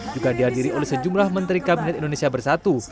juga dihadiri oleh sejumlah menteri kabinet indonesia bersatu